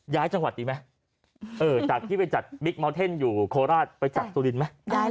ย้ายจังหวัดดีไหมจากที่ไปจัดบิ๊กเมาเทนอยู่โคราชไปจัดสุรินทร์ไหม